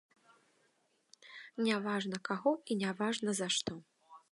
Не важна каго і не важна за што.